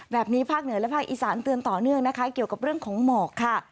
ภาคเหนือและภาคอีสานเตือนต่อเนื่องนะคะเกี่ยวกับเรื่องของหมอกค่ะ